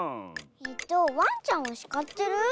えっとわんちゃんをしかってる？